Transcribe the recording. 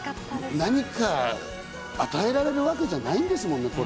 何か与えられるわけじゃないんですよね。